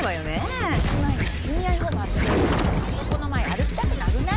あそこの前歩きたくなくない？